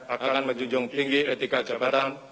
akan menjunjung tinggi etika jabatan